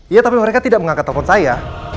iya tapi mereka tidak mengangkat telepon saya